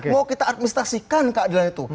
mau kita administrasikan keadilan itu